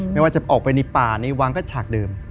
ไม่ว่าจะออกไปในป่าในวังก็ฉากเดิม